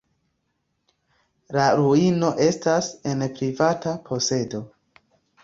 La ruino estas en privata posedo.